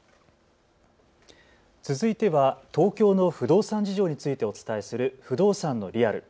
続いては東京の不動産事情についてお伝えする不動産のリアル。